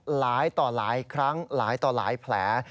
หลายต่อหลายครั้งหลายต่อหลายแผล